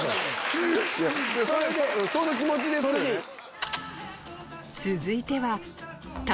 その気持ちですよね。